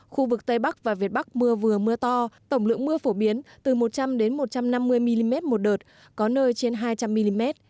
khu vực tây bắc và việt bắc mưa vừa mưa to tổng lượng mưa phổ biến từ một trăm linh một trăm năm mươi mm một đợt có nơi trên hai trăm linh mm